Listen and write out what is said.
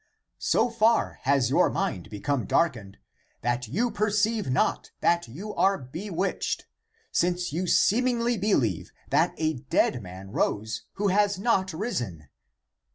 So far has your mind become dark ened that you perceive not that you are bewitched, since you seemingly believe that a dead man rose who has not risen.